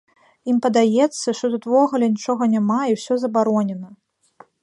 Ім падаецца, што тут увогуле нічога няма і ўсё забаронена!